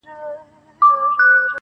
چي د وگړو څه يې ټولي گناه كډه كړې_